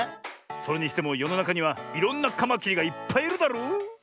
それにしてもよのなかにはいろんなカマキリがいっぱいいるだろう？